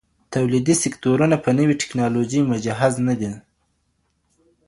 توليدي سکتورونه په نوي ټکنالوژي مجهز نه دي.